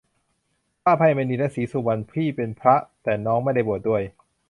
พระอภัยมณี และศรีสุวรรณ พี่เป็นพระ แต่น้องไม่ได้บวชด้วย